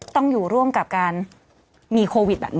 ต้องอยู่ร่วมกับการมีโควิดแบบนี้